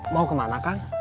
mau kemana kang